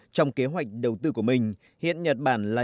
trong khoảng hai mươi sáu năm rồi